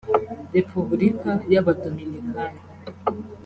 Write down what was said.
Repubulika y’Abadominikani